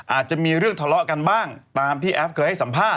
อาจจะมีเรื่องทะเลาะกันบ้างตามที่แอฟเคยให้สัมภาษ